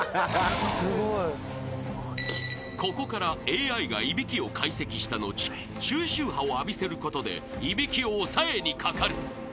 ［ここからＡＩがいびきを解析した後中周波を浴びせることでいびきを抑えにかかる］